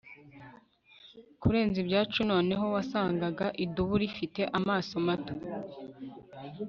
Kurenza ibyacu noneho wasangaga idubu rifite amaso mato